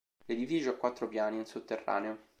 L'edificio ha quattro piani e un sotterraneo.